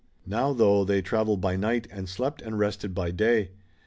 Now, though, they traveled by night and slept and rested by day.